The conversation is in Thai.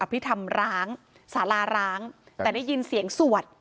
พิธรรมร้างสาราร้างแต่ได้ยินเสียงสวด